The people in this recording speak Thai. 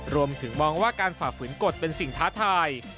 รวมถึงมองว่าการฝ่าฝืนกฎเป็นสิ่งท้าทาย